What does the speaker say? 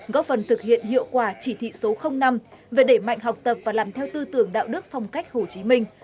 góp phần thực hiện hiệu quả chỉ thị số năm về đẩy mạnh học tập và làm theo tư tưởng đạo đức phong cách hồ chí minh